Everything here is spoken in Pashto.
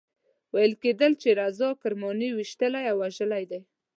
ویل کېدل چې رضا کرماني ویشتلی او وژلی دی.